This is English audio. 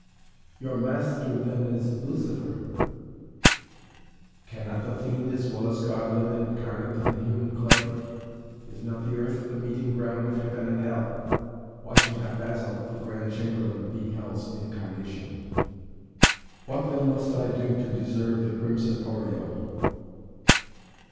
"Your master then is Lucifer " "Cannot the Fiend as well as God live incarnate in human clay? Is not the earth the meeting ground of Heaven and Hell? Why should not Basil, the Grand Chamberlain, be Hell's incarnation?" "What then must I do to deserve the crimson aureole?"